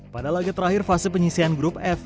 pada laga terakhir fase penyisian grup f